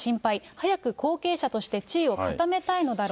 早く後継者として地位を固めたいのだろうと。